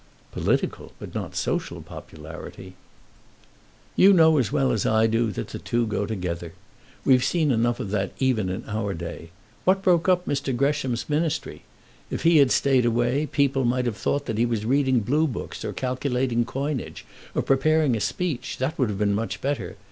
"Political but not social popularity." "You know as well as I do that the two go together. We've seen enough of that even in our day. What broke up Mr. Gresham's Ministry? If he had stayed away people might have thought that he was reading blue books, or calculating coinage, or preparing a speech. That would have been much better.